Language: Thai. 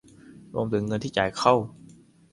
รวมถึงเงินที่จ่ายเข้า